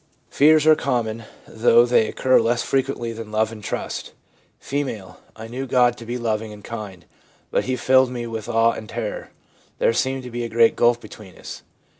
Fears are common, though they occur less frequently than love and trust. F. ' I knew God to be loving and kind, but He filled me with awe and terror; there seemed to be a great gulf between us.'